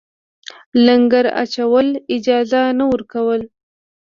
لنګر اچولو اجازه نه ورکوله.